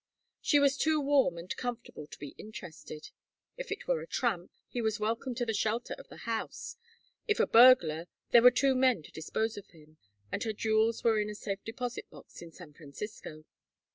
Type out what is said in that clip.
She was too warm and comfortable to be interested. If it were a tramp he was welcome to the shelter of the house; if a burglar there were two men to dispose of him, and her jewels were in a safe deposit box in San Francisco.